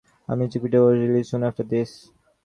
A music video was released soon after this.